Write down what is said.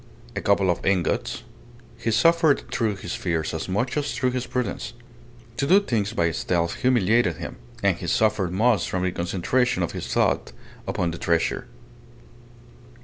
A couple of ingots. He suffered through his fears as much as through his prudence. To do things by stealth humiliated him. And he suffered most from the concentration of his thought upon the treasure.